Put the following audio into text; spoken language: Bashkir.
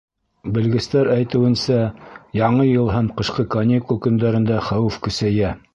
Белгестәр әйтеүенсә, Яңы йыл һәм ҡышҡы каникул көндәрендә хәүеф көсәйә.